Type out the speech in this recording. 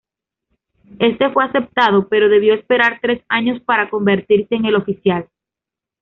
Este fue aceptado, pero debió esperar tres años para convertirse en el oficial.